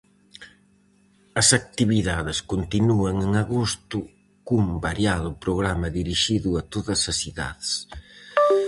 As actividades continúan en agosto cun variado programa dirixido a todas as idades.